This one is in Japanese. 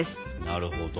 なるほど。